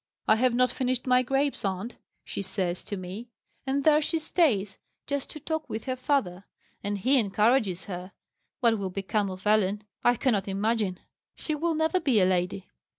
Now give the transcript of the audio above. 'I have not finished my grapes, aunt,' she says to me. And there she stays, just to talk with her father. And he encourages her! What will become of Ellen, I cannot imagine; she will never be a lady!"